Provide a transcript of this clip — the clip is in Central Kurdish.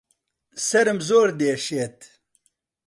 سەرم زۆر دێشێت